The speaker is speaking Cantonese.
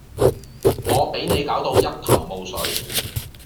我比你攪到一頭霧水